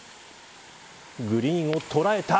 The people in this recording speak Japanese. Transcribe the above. グリーンを捉えた。